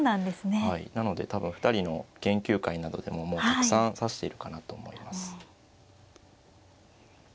なので多分２人の研究会などでももうたくさん指しているかなと思います。